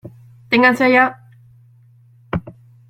¡ ténganse allá!